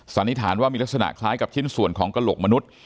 สันนิษฐานว่ามีลักษณะคล้ายกับชิ้นส่วนของกระโหลกมนุษย์